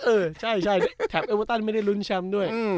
เออใช่แถบเอเวอร์ตันไม่ได้ลุ้นแชมป์ด้วย